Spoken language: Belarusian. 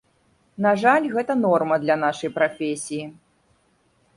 На жаль, гэта норма для нашай прафесіі.